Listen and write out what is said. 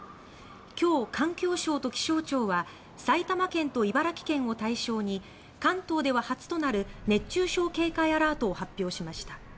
今日、環境省と気象庁は埼玉県と茨城県を対象に関東では初となる熱中症警戒アラートを発表しました。